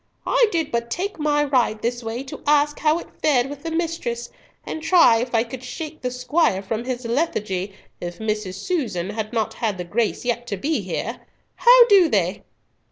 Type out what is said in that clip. I did but take my ride this way to ask how it fared with the mistress, and try if I could shake the squire from his lethargy, if Mrs. Susan had not had the grace yet to be here. How do they?"